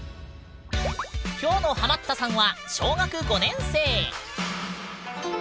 今日のハマったさんは小学５年生。